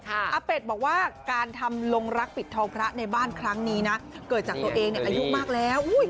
อาเป็ดบอกว่าการทำลงรักปิดทองพระในบ้านครั้งนี้นะเกิดจากตัวเองอายุมากแล้ว